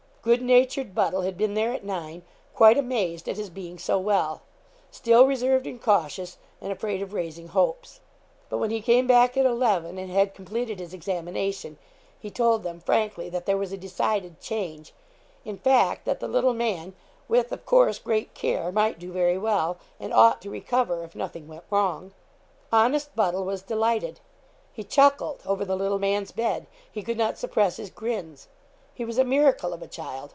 Good natured Buddle had been there at nine, quite amazed at his being so well, still reserved and cautious, and afraid of raising hopes. But when he came back, at eleven, and had completed his examination, he told them, frankly, that there was a decided change; in fact, that the little man, with, of course, great care, might do very well, and ought to recover, if nothing went wrong. Honest Buddle was delighted. He chuckled over the little man's bed. He could not suppress his grins. He was a miracle of a child!